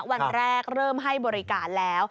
วันแรกเริ่มให้บริการแล้ว